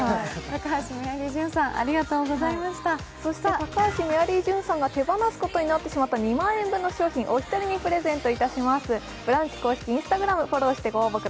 高橋メアリージュンさんが手放すことになってしまった２万円分の商品、お一人にプレゼントいたします。